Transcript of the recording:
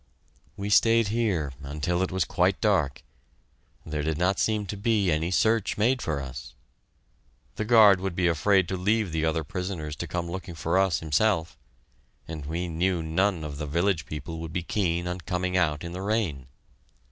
We stayed here until it was quite dark. There did not seem to be any search made for us. The guard would be afraid to leave the other prisoners to come looking for us himself, and we knew none of the village people would be keen on coming out in the rain.